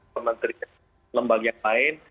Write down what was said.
pemerintah lembaga yang lain